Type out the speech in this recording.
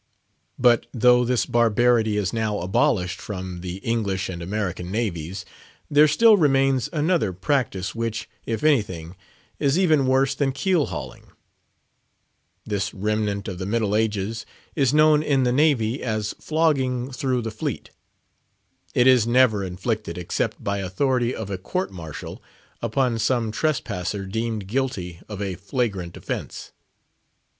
But though this barbarity is now abolished from the English and American navies, there still remains another practice which, if anything, is even worse than keel hauling. This remnant of the Middle Ages is known in the Navy as "flogging through the fleet." It is never inflicted except by authority of a court martial upon some trespasser deemed guilty of a flagrant offence.